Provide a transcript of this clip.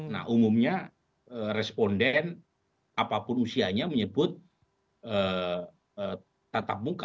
nah umumnya responden apapun usianya menyebut tatap muka